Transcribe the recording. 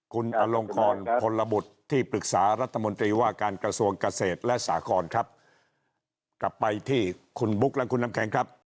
คุณอลงกรพลบุตรที่ปรึกษารัฐมนตรีว่าการกระทรวงเกษตรและสาครครับกลับไปที่คุณบุ๊คและคุณน้ำแข็งครับ